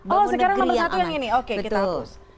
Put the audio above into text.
oh sekarang nomor satu yang ini oke kita hapus